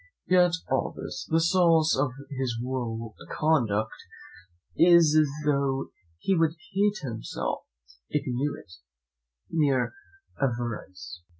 Yet, after all this, the source of his whole conduct is, though he would hate himself if he knew it, mere avarice.